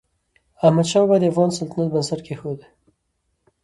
احمدشاه بابا د افغان سلطنت بنسټ کېښود.